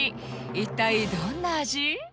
一体どんな味？